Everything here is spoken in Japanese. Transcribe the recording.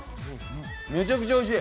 めちゃくちゃおいしい。